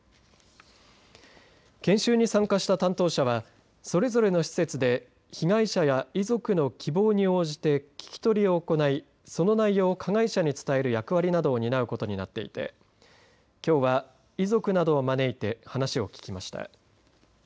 研修に参加した担当者はそれぞれの施設で被害者や遺族の希望に応じて聞き取りを行いその内容を加害者に伝える役割などを担うことになっていてきょうは遺族などを招いて話を聞きました。